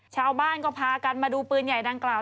ชาวบ้านก็พากันมาดูปืนใหญ่ดังกล่าว